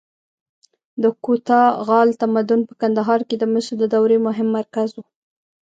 د کوتاه غال تمدن په کندهار کې د مسو د دورې مهم مرکز و